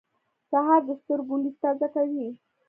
سهار د سترګو لید تازه کوي.